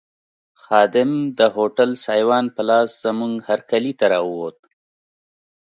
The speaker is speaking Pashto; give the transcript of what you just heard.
خادم د هوټل سایوان په لاس زموږ هرکلي ته راووت.